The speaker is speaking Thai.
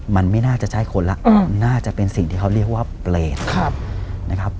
มันไม่น่าจะใช่คนแล้วน่าจะเป็นสิ่งที่เขาเรียกว่าเปรตนะครับ